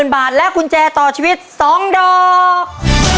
๐บาทและกุญแจต่อชีวิต๒ดอก